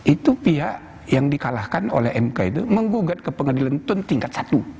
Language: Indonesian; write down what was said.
itu pihak yang dikalahkan oleh mk itu menggugat ke pengadilan itu tingkat satu